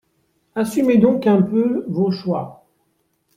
Assumez donc un peu vos choix